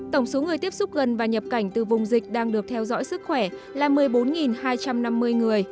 tổng số người tiếp xúc gần và nhập cảnh từ vùng dịch đang được theo dõi sức khỏe là một mươi bốn hai trăm năm mươi người